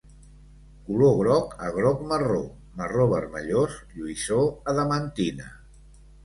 Color groc a groc marró, marró vermellós; lluïssor adamantina.